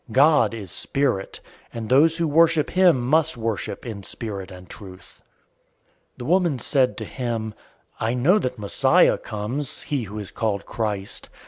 004:024 God is spirit, and those who worship him must worship in spirit and truth." 004:025 The woman said to him, "I know that Messiah comes," (he who is called Christ).